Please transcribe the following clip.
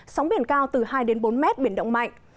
sóng biển cao từ hai đến bốn mét biển động mạnh